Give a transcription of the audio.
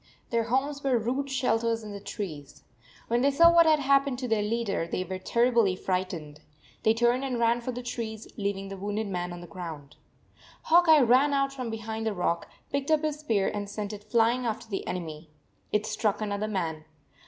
Their homes were rude shelters in the trees. When they saw what had happened to their leader, they were terribly frightened. They turned and ran for the trees, leaving the wounded man on the ground. Hawk Eye ran out from behind the rock, picked up his spear, and sent it flying after the enemy. It struck another man.